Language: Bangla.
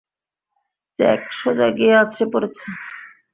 চেক, সোজা গিয়ে আছড়ে পড়েছে।